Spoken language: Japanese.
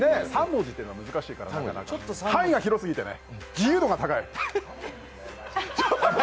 ３文字というのは難しいから範囲が広すぎてね自由度が高い。